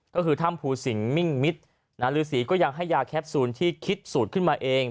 ก็คือถ้ำภูสิงหมิ่งมิตรฤษีก็ยังให้ยาแคปซูลที่คิดสูตรขึ้นมาเอง